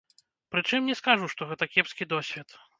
Прычым, не скажу, што гэта кепскі досвед.